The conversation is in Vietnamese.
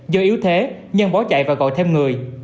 do yếu thế nhân bỏ chạy và gọi thêm người